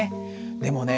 でもね